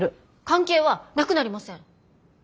関係はなくなりません！